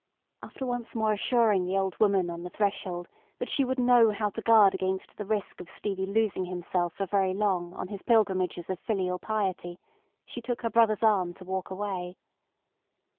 After once more assuring the old woman on the threshold that she would know how to guard against the risk of Stevie losing himself for very long on his pilgrimages of filial piety, she took her brother's arm to walk away.